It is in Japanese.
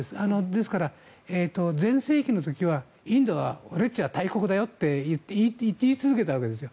ですから、全盛期の時はインドは俺たちは大国だよって言い続けたわけです。